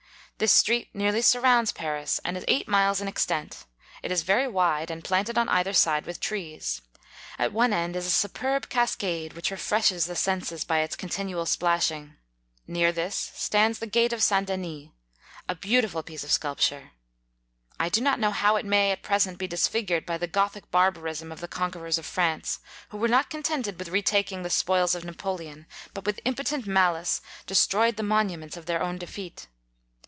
This street nearly surrounds Paris, and is 12 eight miles in extent ; it is very wide, and planted on either side with trees. At one end is a superb cascade which refreshes the senses by its continual splashing : near this stands the gate of St. Denis, a beautiful piece of sculp ture. I do not know how it may at present be disfigured by the Gothic barbarism of the conquerors of France, who were not contented with retaking the spoils of Napoleon, but with impo tent malice, destroyed the monuments of their own defeat.